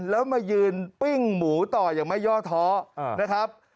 แล้วมายืนปิ้งหมูต่ออย่างไม่ย่อท้อนะครับ